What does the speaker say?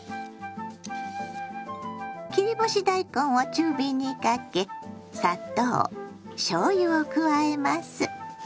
切り干し大根を中火にかけ砂糖しょうゆを加えます。